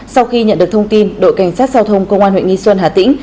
sau khi nhận được thông tin đội cảnh sát giao thông công an huyện nghi xuân hà tĩnh